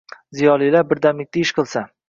Ziyolilar birdamlikda ish qilsa